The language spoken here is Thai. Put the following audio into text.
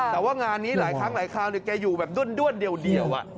แต่ว่างานนี้หลายครั้งหลายคราวแกอยู่แบบด้วนเดียว